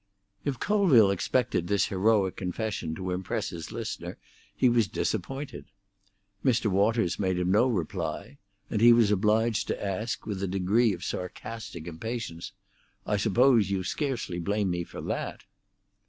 If Colville expected this heroic confession to impress his listener he was disappointed. Mr. Waters made him no reply, and he was obliged to ask, with a degree of sarcastic impatience, "I suppose you scarcely blame me for that?"